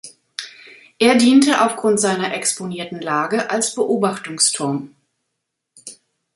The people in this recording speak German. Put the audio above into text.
Er diente aufgrund seiner exponierten Lage als Beobachtungsturm.